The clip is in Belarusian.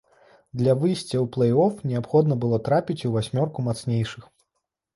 Для выйсця ў плэй-оф неабходна было трапіць у васьмёрку мацнейшых.